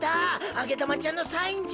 あげだまちゃんのサインじゃ。